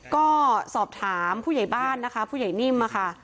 ก็สอบถามผู้ใหญ่บ้านนะคะผู้ใหญ่นิ่มค่ะ